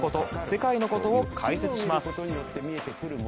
世界のことを解説します。